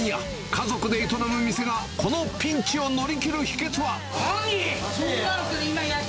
家族で営む店がこのピンチを乗り切る秘けつは。